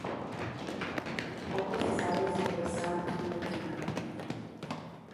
Poco se sabe sobre Sam Buchanan.